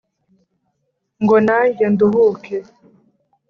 Ngo nanjye nduhuke